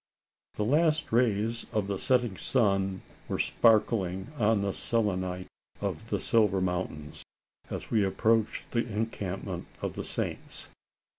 The last rays of the setting sun were sparkling on the selenite of the Silver Mountains, as we approached the encampment of the Saints.